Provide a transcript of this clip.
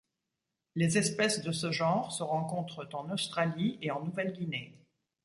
Les espèces de ce genre se rencontrent en Australie et en Nouvelle-Guinée.